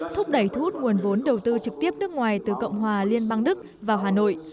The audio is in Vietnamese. thúc đẩy thu hút nguồn vốn đầu tư trực tiếp nước ngoài từ cộng hòa liên bang đức vào hà nội